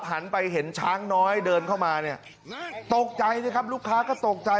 หันไปเห็นช้างน้อยเดินเข้ามาเนี่ยตกใจสิครับลูกค้าก็ตกใจ